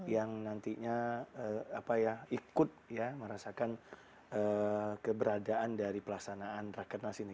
yang nantinya ikut merasakan keberadaan dari pelaksanaan rakernas ini